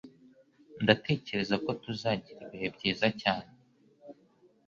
Ndatekereza ko tuzagira ibihe byiza cyane.